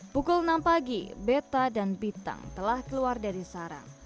pukul enam pagi beta dan bintang telah keluar dari sarang